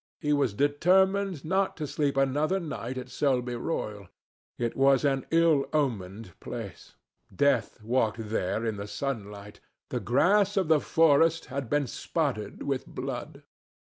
He was determined not to sleep another night at Selby Royal. It was an ill omened place. Death walked there in the sunlight. The grass of the forest had been spotted with blood.